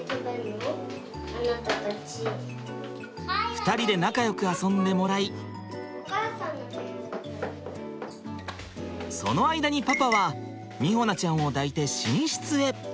２人で仲よく遊んでもらいその間にパパは美穂菜ちゃんを抱いて寝室へ。